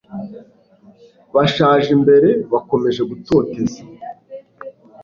bashaje imbere. bakomeje gutoteza